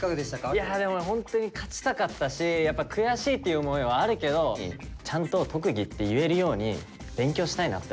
いやでもねホントに勝ちたかったし悔しいっていう思いはあるけどちゃんと特技って言えるように勉強したいなって思いました。